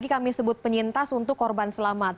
kami sebut penyintas untuk korban selamat